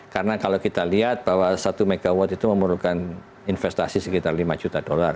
karena kalau kita lihat bahwa satu mw itu memerlukan investasi sekitar lima juta dollar